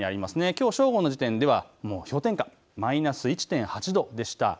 きょう正午の時点では氷点下、マイナス１．８度でした。